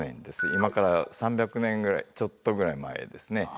今から３００年ちょっとぐらい前ですね。